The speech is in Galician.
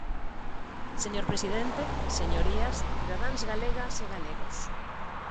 Señor presidente, señorías, cidadáns galegas e galegos.